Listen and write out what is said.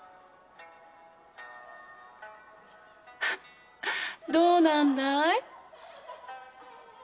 ハッどうなんだい？